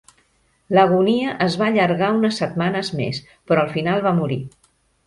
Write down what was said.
L'agonia es va allargar unes setmanes més, però al final va morir.